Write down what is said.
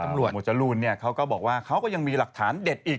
จับหมอรุณเเนี่ยเขาก็บอกว่าเขาก็ยังมีหลักฐานเด็ดอีก